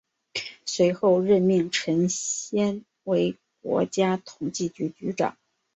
随后任命陈先为国家统计局局长。